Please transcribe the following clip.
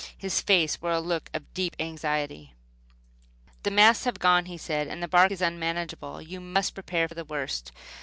His face wore a look of deep anxiety. "The masts have gone," he said, "and the bark is unmanageable. You must prepare for the worst.